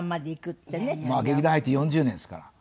劇団入って４０年ですから。